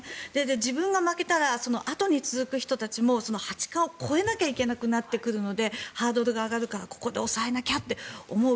自分が負けたら後に続く人たちも八冠を超えなきゃいけなくなってくるのでハードルが上がるからここで抑えなきゃと思う